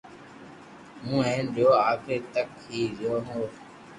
ھون ھين رھيو آخري تڪ ھي رھيو ھون